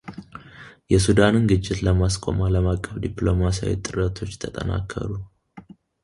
የሱዳንን ግጭት ለማስቆም ዓለም አቀፍ ዲፕሎማሲያዊ ጥረቶች ተጠናከሩ